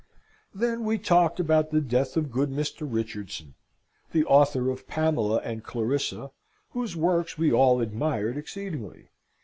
Then we talked about the death of good Mr. Richardson, the author of Pamela and Clarissa, whose works we all admired exceedingly.